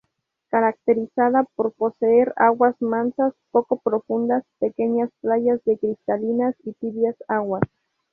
Caracterizada por poseer aguas mansas, poco profundas, pequeñas playas de cristalinas y tibias aguas.